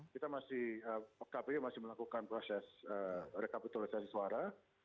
kita masih kpi masih melakukan proses rekapitalisasi suara